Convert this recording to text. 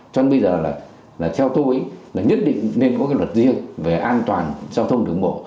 cho nên bây giờ là theo tôi là nhất định nên có cái luật riêng về an toàn giao thông đường bộ